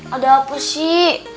ada apa sih